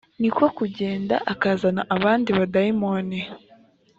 ni ko kugenda akazana abandi badayimoni